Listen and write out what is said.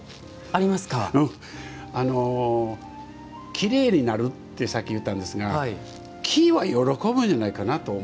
きれいになるってさっき言ったんですが木は喜ぶんじゃないかなと思うんですよ。